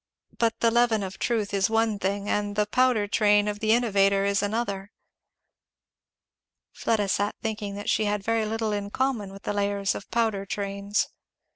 But the leaven of truth is one thing, and the powder train of the innovator is another." Fleda sat thinking that she had very little in common with the layers of powder trains.